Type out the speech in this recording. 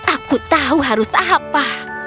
aku tahu harus apa